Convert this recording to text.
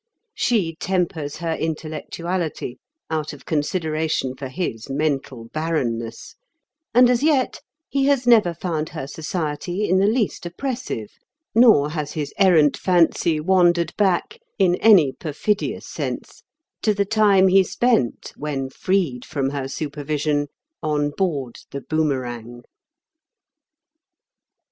Slie tempers her intellectuality out of consideration for his mental barrenness; and as yet he has never found her society in the least oppressive, nor has his errant fancy wandered back in any per fidious sense to the time he spent, when freed from her supervision, on board the Boomerang.